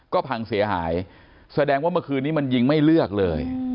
ก็พังเสียหายแสดงว่าเมื่อคืนนี้มันยิงไม่เลือกเลย